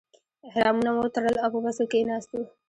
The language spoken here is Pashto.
احرامونه مو وتړل او په بس کې کیناستو.